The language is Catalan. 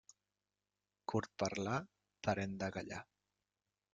Curt parlar, parent de callar.